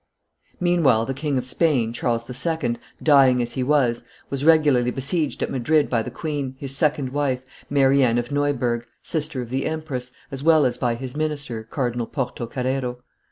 Meanwhile the King of Spain, Charles II., dying as he was, was regularly besieged at Madrid by the queen, his second wife, Mary Anne of Neuburg, sister of the empress, as well as by his minister, Cardinal Porto Carrero.